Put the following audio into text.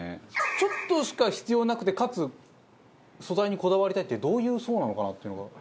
ちょっとしか必要なくてかつ素材にこだわりたいってどういう層なのかなっていうのが。